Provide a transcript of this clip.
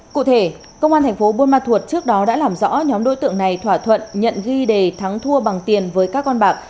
cụ thể công an thành phố buôn ma thuột trước đó đã làm rõ nhóm đối tượng này thỏa thuận nhận ghi đề thắng thua bằng tiền với các con bạc